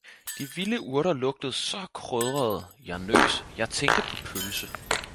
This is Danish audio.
de vilde Urter lugtede saa krydrede, jeg nøs, jeg tænkte paa Pølse.